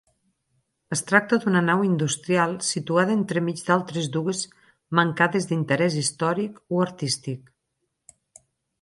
Es tracta d'una nau industrial situada entremig d'altres dues mancades d'interès històric o artístic.